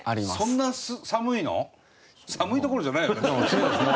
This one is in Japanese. そうですね。